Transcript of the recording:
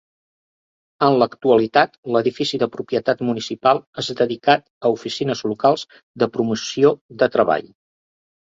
En l'actualitat l'edifici, de propietat municipal, és dedicat a oficines locals de Promoció de Treball.